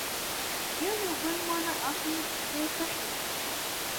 یو یو ګل مانه اخلي ټوکرۍ تشه شي.